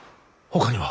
ほかには。